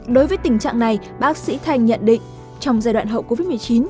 đối với tình trạng này bác sĩ thành nhận định trong giai đoạn hậu covid một mươi chín